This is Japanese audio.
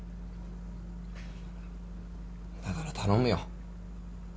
だから頼むよ。